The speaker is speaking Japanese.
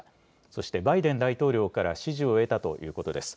そして、バイデン大統領から支持を得たということです。